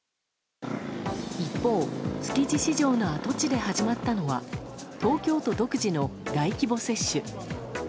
一方、築地市場の跡地で始まったのは東京都独自の大規模接種。